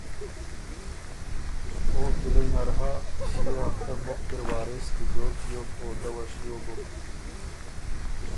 او کِلئ نر هۀ، ݭيې هفتۀ مُخکی ر وارث کی زوک بیوک او دۀ وه شیو بُک